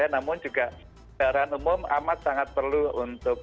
namun juga kendaraan umum amat sangat perlu untuk